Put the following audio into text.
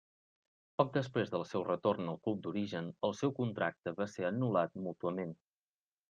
Poc després del seu retorn al club d'origen, el seu contracte va ser anul·lat mútuament.